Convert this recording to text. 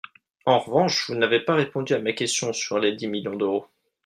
En revanche, vous n’avez pas répondu à ma question sur les dix millions d’euros.